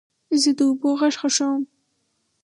زه د اوبو غږ خوښوم.